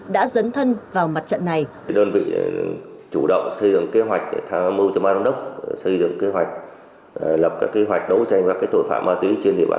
đã dấn thân vào mặt trận này